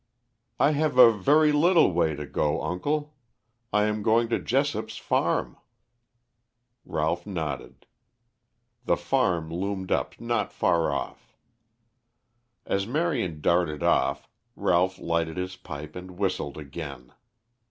"I have a very little way to go, uncle. I am going to Jessop's farm." Ralph nodded. The farm loomed up not far off. As Marion darted off Ralph lighted his pipe and whistled again.